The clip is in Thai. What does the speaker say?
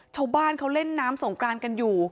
ชาวบ้านเขาเล่นน้ำสงกรานกันอยู่